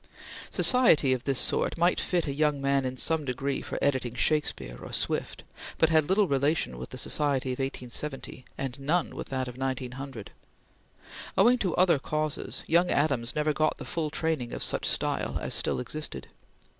Society of this sort might fit a young man in some degree for editing Shakespeare or Swift, but had little relation with the society of 1870, and none with that of 1900. Owing to other causes, young Adams never got the full training of such style as still existed.